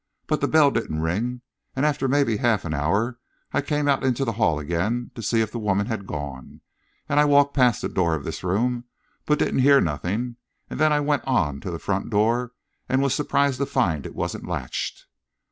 But the bell didn't ring, and after maybe half an hour, I came out into the hall again to see if the woman had gone; and I walked past the door of this room but didn't hear nothing; and then I went on to the front door, and was surprised to find it wasn't latched."